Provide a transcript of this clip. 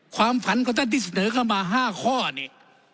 ความฝันก็ได้เสนอกลับมา๕ข้อนี่